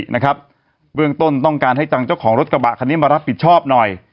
เบื้องต้นต้องการให้จังเจ้าของรถกระบะคันนี้มารับผิดชอบหน่อย